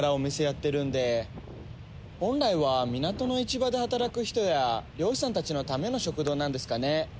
本来は港の市場で働く人や漁師さんたちのための食堂なんですかね。